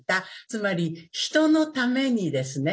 つまり人のためにですね